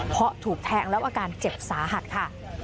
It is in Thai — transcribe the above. เพราะถูกแทงแล้วอาการเจ็บสาหัสค่ะ